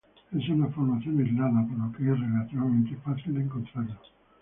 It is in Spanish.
Es una formación aislada, por lo que es relativamente fácil de encontrarlo.